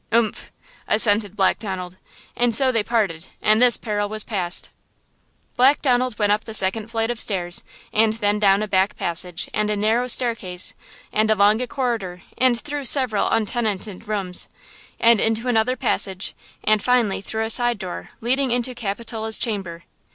"Umph!" assented Black Donald. And so they parted and this peril was passed. Black Donald went up the second flight of stairs and then down a back passage and a narrow staircase and along a corridor and through several untenanted rooms, and into another passage, and finally through a side door leading into Capitola's chamber.